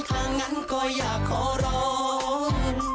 ถ้างั้นก็อยากขอร้อง